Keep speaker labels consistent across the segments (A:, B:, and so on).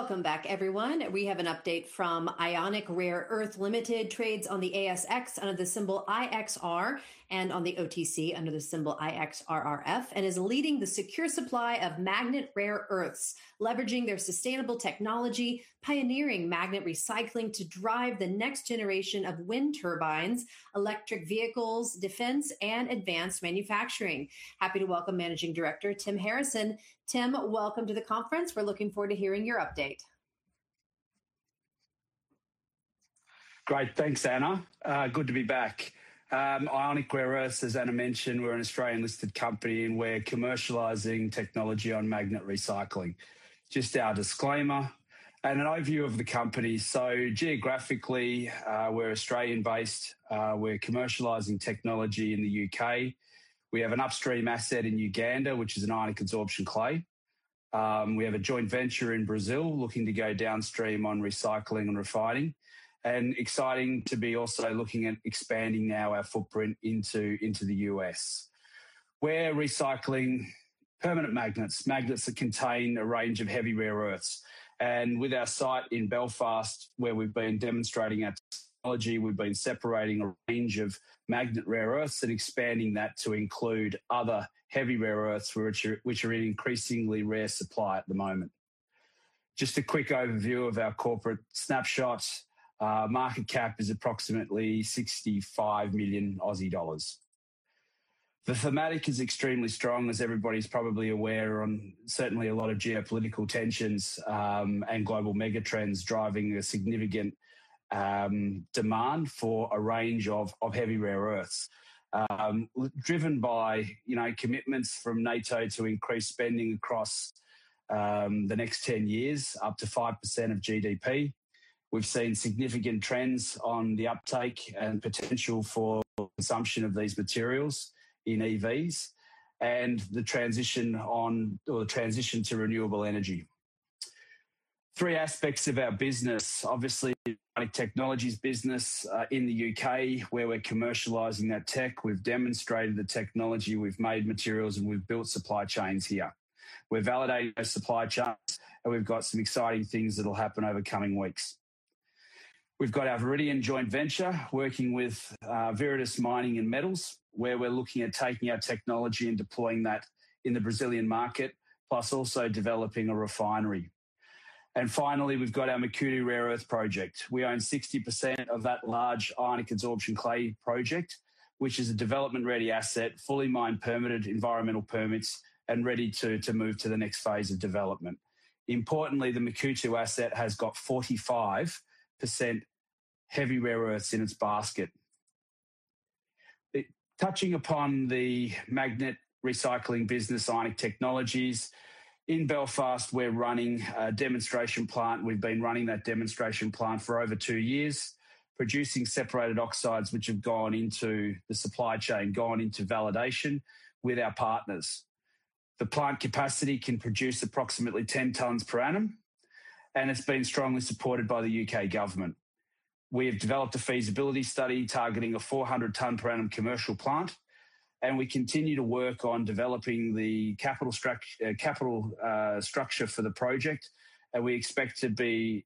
A: Welcome back everyone. We have an update from Ionic Rare Earths Limited, trades on the ASX under the symbol IXR and on the OTC under the symbol IXRRF, and is leading the secure supply of magnet rare earths, leveraging their sustainable technology, pioneering magnet recycling to drive the next generation of wind turbines, electric vehicles, defense and advanced manufacturing. Happy to welcome Managing Director, Tim Harrison. Tim, welcome to the conference. We're looking forward to hearing your update.
B: Great. Thanks, Anna. Good to be back. Ionic Rare Earths, as Anna mentioned, we're an Australian-listed company and we're commercializing technology on magnet recycling. Just our disclaimer and an overview of the company. Geographically, we're Australian-based. We're commercializing technology in the U.K. We have an upstream asset in Uganda, which is an ionic adsorption clay. We have a joint venture in Brazil looking to go downstream on recycling and refining. Exciting to be also looking at expanding now our footprint into the U.S. We're recycling permanent magnets that contain a range of heavy rare earths. With our site in Belfast where we've been demonstrating our technology, we've been separating a range of magnet rare earths and expanding that to include other heavy rare earths which are in increasingly rare supply at the moment. Just a quick overview of our corporate snapshot. Market cap is approximately 65 million Aussie dollars. The thematic is extremely strong, as everybody's probably aware on certainly a lot of geopolitical tensions, and global mega trends driving a significant demand for a range of heavy rare earths. Driven by, you know, commitments from NATO to increase spending across the next 10 years, up to 5% of GDP. We've seen significant trends on the uptake and potential for consumption of these materials in EVs and the transition to renewable energy. Three aspects of our business. Obviously, Ionic Technologies business in the U.K. where we're commercializing that tech. We've demonstrated the technology, we've made materials, and we've built supply chains here. We're validating those supply chains, and we've got some exciting things that'll happen over coming weeks. We've got our Viridion joint venture working with Viridis Mining and Minerals, where we're looking at taking our technology and deploying that in the Brazilian market, plus also developing a refinery. We've got our Makuutu rare earth project. We own 60% of that large ionic adsorption clay project, which is a development-ready asset, fully mined, permitted environmental permits, and ready to move to the next phase of development. Importantly, the Makuutu asset has got 45% heavy rare earths in its basket. Touching upon the magnet recycling business, Ionic Technologies. In Belfast, we're running a demonstration plant. We've been running that demonstration plant for over two years, producing separated oxides, which have gone into the supply chain, gone into validation with our partners. The plant capacity can produce approximately 10 tonnes per annum, and it's been strongly supported by the U.K. government. We have developed a feasibility study targeting a 400 tonne per annum commercial plant. We continue to work on developing the capital structure for the project, and we expect to be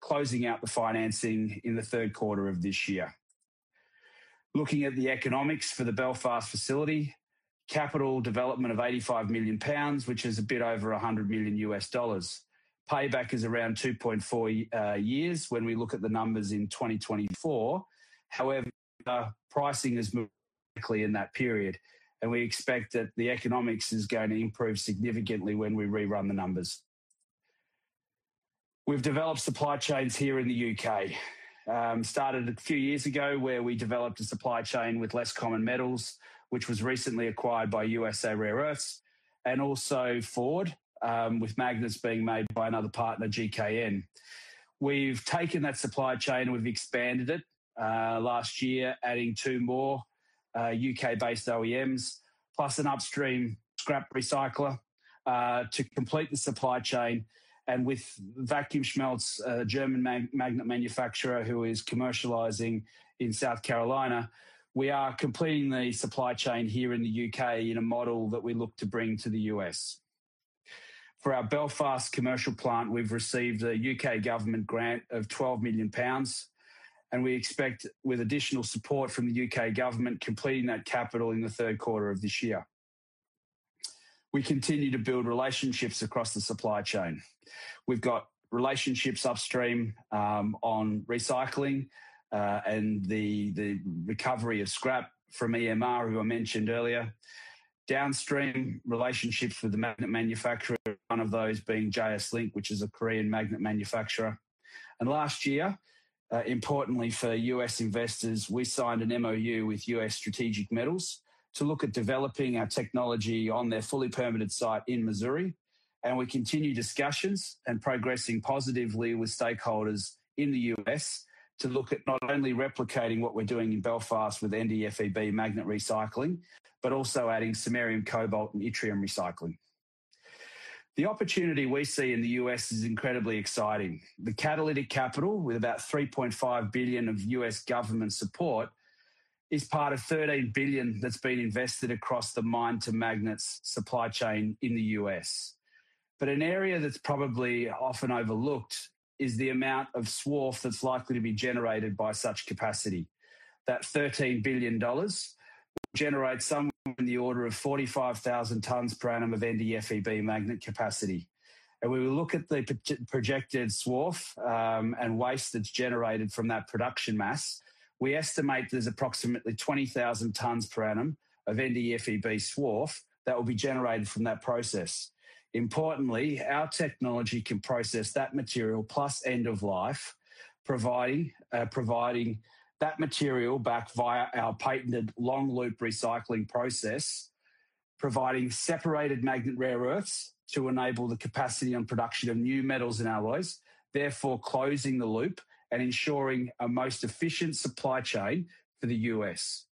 B: closing out the financing in the third quarter of this year. Looking at the economics for the Belfast facility. Capital development of 85 million pounds, which is a bit over $100 million. Payback is around 2.4 years when we look at the numbers in 2024. However, pricing has moved quickly in that period. We expect that the economics is going to improve significantly when we rerun the numbers. We've developed supply chains here in the U.K. Started a few years ago where we developed a supply chain with Less Common Metals, which was recently acquired by USA Rare Earth, and also Ford, with magnets being made by another partner, GKN. We've taken that supply chain and we've expanded it last year adding two more U.K.-based OEMs, plus an upstream scrap recycler to complete the supply chain. With Vacuumschmelze, a German magnet manufacturer who is commercializing in South Carolina, we are completing the supply chain here in the U.K. in a model that we look to bring to the U.S. For our Belfast commercial plant, we've received a U.K. government grant of 12 million pounds, we expect with additional support from the U.K. government completing that capital in the third quarter of this year. We continue to build relationships across the supply chain. We've got relationships upstream on recycling and the recovery of scrap from EMR, who I mentioned earlier. Downstream relationships with the magnet manufacturer, one of those being JS Link, which is a Korean magnet manufacturer. Last year, importantly for U.S. investors, we signed an MoU with US Strategic Metals to look at developing our technology on their fully permitted site in Missouri. We continue discussions and progressing positively with stakeholders in the U.S. to look at not only replicating what we're doing in Belfast with NdFeB magnet recycling, but also adding samarium, cobalt, and yttrium recycling. The opportunity we see in the U.S. is incredibly exciting. The catalytic capital with about $3.5 billion of U.S. government support is part of $13 billion that's been invested across the mine to magnets supply chain in the U.S. An area that's probably often overlooked is the amount of SWARF that's likely to be generated by such capacity. That $13 billion will generate somewhere in the order of 45,000 tons per annum of NdFeB magnet capacity. When we look at the projected swarf and waste that's generated from that production mass, we estimate there's approximately 20,000 tons per annum of NdFeB SWARF that will be generated from that process. Importantly, our technology can process that material plus end of life, providing that material back via our patented long-loop recycling process, providing separated magnet rare earths to enable the capacity and production of new metals and alloys, therefore closing the loop and ensuring a most efficient supply chain for the U.S.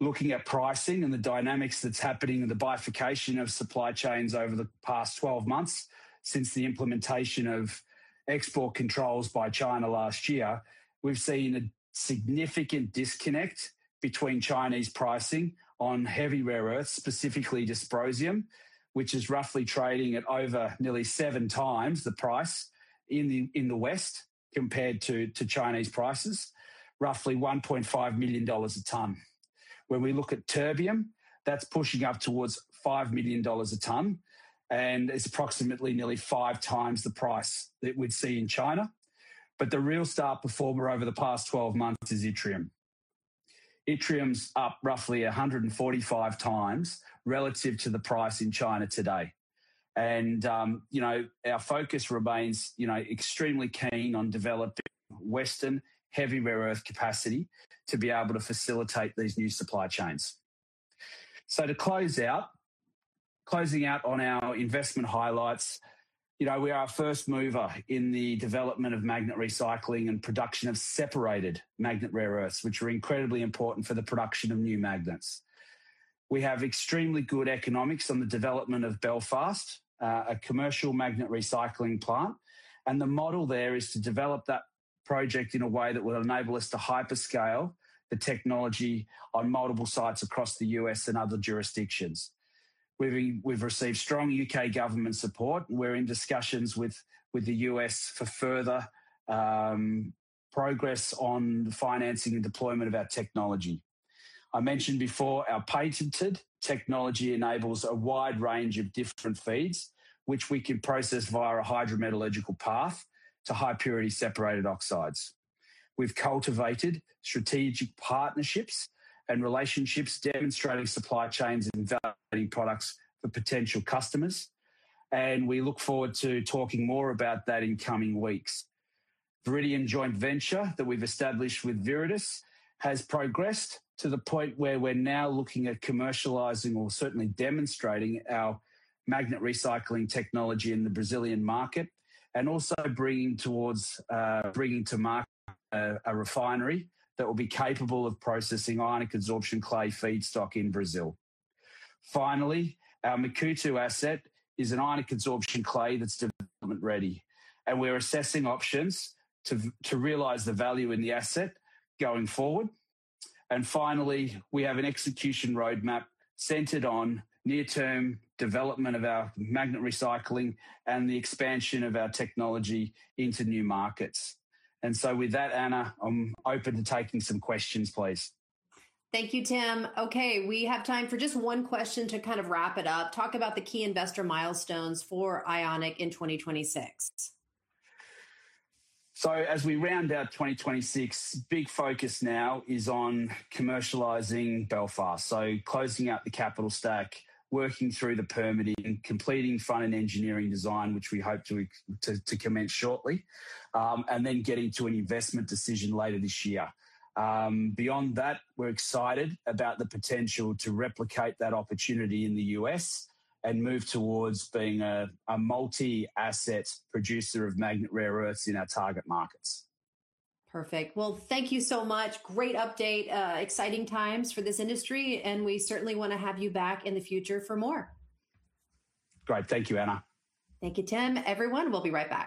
B: Looking at pricing and the dynamics that is happening in the bifurcation of supply chains over the past 12 months since the implementation of export controls by China last year, we've seen a significant disconnect between Chinese pricing on heavy rare earths, specifically dysprosium, which is roughly trading at over nearly seven times the price in the West compared to Chinese prices, roughly 1.5 million dollars a ton. When we look at terbium, that's pushing up towards 5 million dollars a ton, and it's approximately nearly five times the price that we'd see in China. The real star performer over the past 12 months is yttrium. Yttrium's up roughly 145 times relative to the price in China today. You know, our focus remains, you know, extremely keen on developing Western heavy rare earth capacity to be able to facilitate these new supply chains. Closing out on our investment highlights. You know, we are a first mover in the development of magnet recycling and production of separated magnet rare earths, which are incredibly important for the production of new magnets. We have extremely good economics on the development of Belfast, a commercial magnet recycling plant. The model there is to develop that project in a way that will enable us to hyperscale the technology on multiple sites across the U.S. and other jurisdictions. We've received strong U.K. government support. We're in discussions with the U.S. for further progress on the financing and deployment of our technology. I mentioned before our patented technology enables a wide range of different feeds, which we can process via a hydrometallurgical path to high purity separated oxides. We've cultivated strategic partnerships and relationships demonstrating supply chains and evaluating products for potential customers, and we look forward to talking more about that in coming weeks. Viridion joint venture that we've established with Viridis has progressed to the point where we're now looking at commercializing or certainly demonstrating our magnet recycling technology in the Brazilian market and also bringing towards bringing to market a refinery that will be capable of processing ionic adsorption clay feedstock in Brazil. Finally, our Mucutu asset is an ionic adsorption clay that's development ready, and we're assessing options to realize the value in the asset going forward. Finally, we have an execution roadmap centered on near-term development of our magnet recycling and the expansion of our technology into new markets. With that, Anna, I am open to taking some questions, please.
A: Thank you, Tim. Okay, we have time for just one question to kind of wrap it up. Talk about the key investor milestones for Ionic in 2026.
B: As we round out 2026, big focus now is on commercializing Belfast. Closing out the capital stack, working through the permitting, completing front-end engineering design, which we hope to commence shortly, and then getting to an investment decision later this year. Beyond that, we're excited about the potential to replicate that opportunity in the U.S. and move towards being a multi-asset producer of magnet rare earths in our target markets.
A: Perfect. Well, thank you so much. Great update. Exciting times for this industry, we certainly wanna have you back in the future for more.
B: Great. Thank you, Anna.
A: Thank you, Tim. Everyone, we'll be right back.